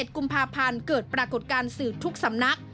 ๑กุมภาพันธ์เกิดปรากฏการณ์สืบทุกสำนัก